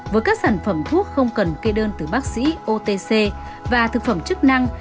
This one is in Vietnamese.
với các sản phẩm thuốc không cần kê đơn từ bác sĩ otc và thực phẩm chức năng